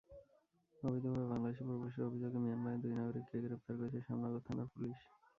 অবৈধভাবে বাংলাদেশে প্রবেশের অভিযোগে মিয়ানমারের দুই নাগরিককে গ্রেপ্তার করেছে শ্যামনগর থানার পুলিশ।